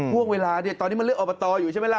ห้วงเวลาตอนนี้มันเลือกอบตออยู่ใช่ไหม